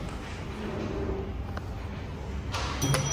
ტოგო აფრიკული ერთიანობის ორგანიზაციის წევრია.